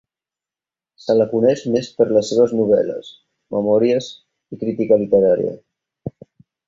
Se la coneix més per les seves novel·les, memòries i crítica literària.